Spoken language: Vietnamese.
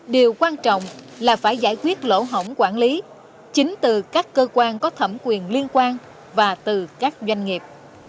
điều quan trọng là phải giải quyết lỗ hỏng quản lý chính từ các cơ quan có thẩm quyền liên quan và từ các doanh nghiệp